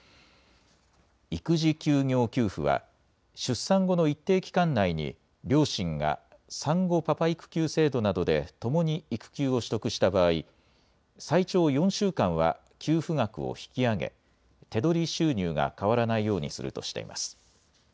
育児休業給付は、出産後の一定期間内に、両親が産後パパ育休制度などでともに育休を取得した場合、最長４週間は給付額を引き上げ、手取り収入が変わらないようにするとしています。